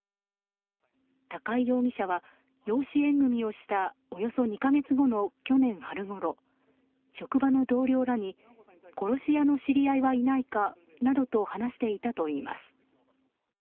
高井容疑者は養子縁組をしたおよそ２か月後の去年春ごろ、職場の同僚らに殺し屋の知り合いはいないかなどと話していたといいます。